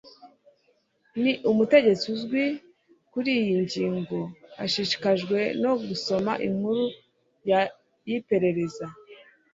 Ni umutegetsi uzwi kuriyi ngingo. Ashishikajwe no gusoma inkuru yiperereza.